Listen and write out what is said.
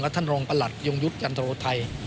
ท่านรองประหลัดยงยุทธ์จันทโรไทย